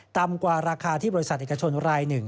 ต่ำกว่าราคาที่บริษัทเอกชนรายหนึ่ง